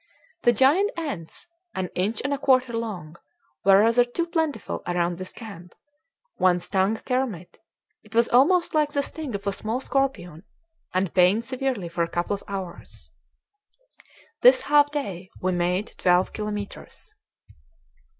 The giant ants, an inch and a quarter long, were rather too plentiful around this camp; one stung Kermit; it was almost like the sting of a small scorpion, and pained severely for a couple of hours. This half day we made twelve kilometres.